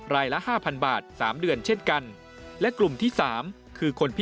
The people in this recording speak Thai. รายละ๕๐๐๐บาท๓เดือนเช่นกัน